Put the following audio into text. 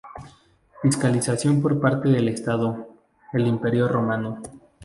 Fiscalización por parte del estado, el Imperio romano.